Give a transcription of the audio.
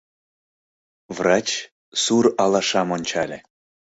Врач сур алашам ончале.